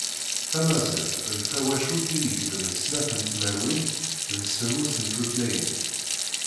Tamaziɣt d tawacult i yegebren snat n tmerwin d semmus n tutlayin.